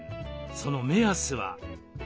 その目安は。